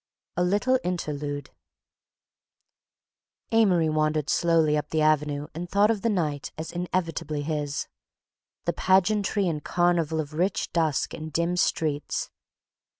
A LITTLE INTERLUDE Amory wandered slowly up the avenue and thought of the night as inevitably his—the pageantry and carnival of rich dusk and dim streets